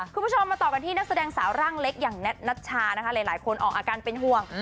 คุณผู้ชมมาต่อกันที่นักแสดงสาวร่างเล็กอย่างแท็นัชชานะคะหลายคนออกอาการเป็นห่วง